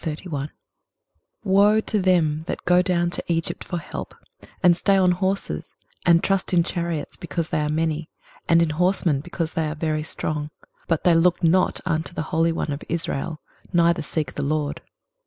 23:031:001 Woe to them that go down to Egypt for help; and stay on horses, and trust in chariots, because they are many; and in horsemen, because they are very strong; but they look not unto the Holy One of Israel, neither seek the LORD!